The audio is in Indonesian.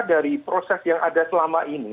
dari proses yang ada selama ini